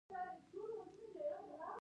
هغه د باران په بڼه د مینې سمبول جوړ کړ.